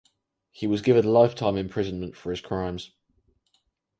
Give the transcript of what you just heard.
He was given lifetime imprisonment for his crimes.